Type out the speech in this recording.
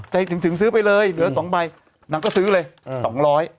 ใจถึงถึงซื้อไปเลยเหลือ๒ใบนางก็ซื้อเลย๒๐๐